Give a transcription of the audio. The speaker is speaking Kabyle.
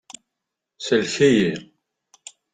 Sellek-iyi!